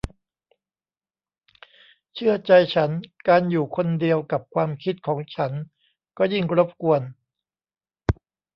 เชื่อใจฉันการอยู่คนเดียวกับความคิดของฉันก็ยิ่งรบกวน